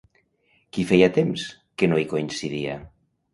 Qui feia temps que no hi coincidia?